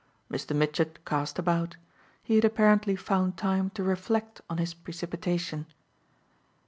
Mr. Mitchett cast about; he had apparently found time to reflect on his precipitation.